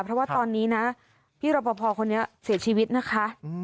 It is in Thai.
เพราะว่าตอนนี้นะพี่รอปภคนนี้เสียชีวิตนะคะ